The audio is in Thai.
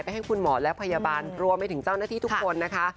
ให้คุณหมอและพยาบาลรวมไปถึงเจ้าหน้าที่ทุกคนนะคะ